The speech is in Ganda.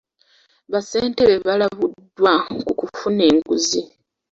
Bassentebe baalabuddwa ku kufuna enguzi.